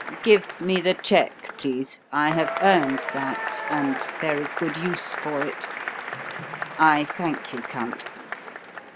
"Give me the cheque, please; I have earned that, and there is good use for it. I thank you, Count.